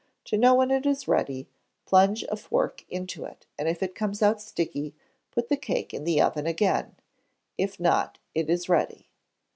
To know when it is ready, plunge a fork into it, and if it comes out sticky, put the cake in the oven again; if not it is ready.